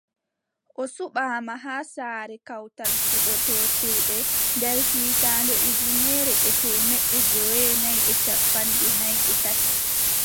O suɓaama haa saare kawtal cuɓtootirɓe nder hitaande ujineere e teemeɗɗe joweenayi e cappanɗe nay e tati.